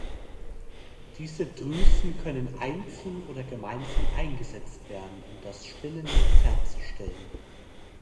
Diese Drüsen können einzeln oder gemeinsam eingesetzt werden, um das Spinnennetz herzustellen.